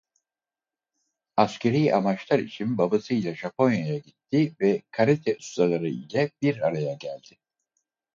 Askeri amaçlar için babasıyla Japonya'ya gitti ve karate ustaları ile bir araya geldi.